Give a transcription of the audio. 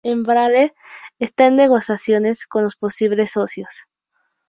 Embraer está en negociaciones con los posibles socios.